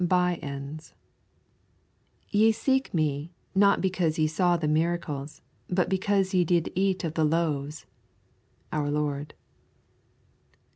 BY ENDS 'Ye seek Me, not because ye saw the miracles, but because ye did eat of the loaves.' Our Lord.